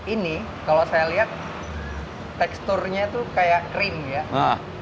ini kalau saya lihat teksturnya itu kayak cream ya